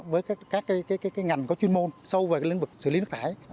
với các ngành có chuyên môn sâu về lĩnh vực xử lý nước thải